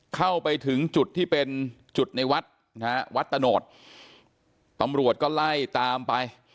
เข้าไปถึงจุดที่เป็นจุดในวัดนะฮะวัดตะโนธตำรวจก็ไล่ตามไป